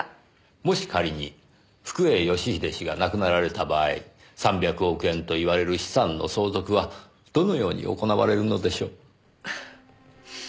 もし仮に福栄義英氏が亡くなられた場合３００億円といわれる資産の相続はどのように行われるのでしょう。